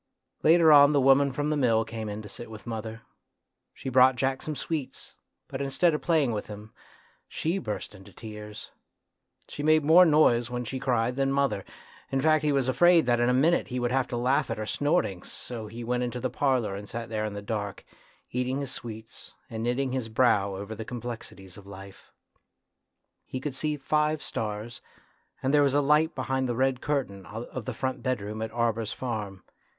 Later on the woman from the mill came in to sit with mother. She brought Jack some sweets, but instead of playing with him she burst into tears. She made more noise when she cried than mother ; in fact he was afraid that in a minute he would have to laugh at her snortings, so he went into the parlour and sat there in the dark, eating his sweets, and knitting his brow over the com plexities of life. He could see five stars, and there was a light behind the red curtain of the front bedroom at Arber's farm.